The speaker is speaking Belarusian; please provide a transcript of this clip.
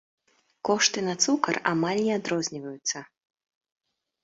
Кошты на цукар амаль не адрозніваюцца.